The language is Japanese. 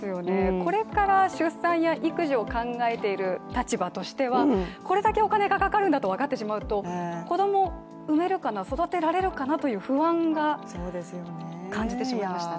これから出産や育児を考えている立場としてはこれだけお金がかかるんだと分かってしまうと子供産めるかな、育てられるかなという不安を感じてしまいましたね。